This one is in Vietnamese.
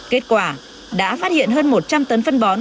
kết quả đã phát hiện hơn một trăm linh tấn phân bó